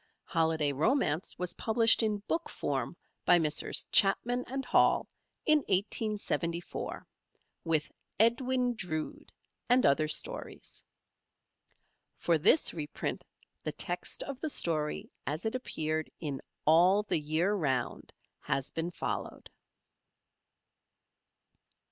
"Holiday Romance" was published in book form by Messrs Chapman & Hall in 1874, with "Edwin Drood" and other stories. For this reprint the text of the story as it appeared in "All the Year Round" has been followed.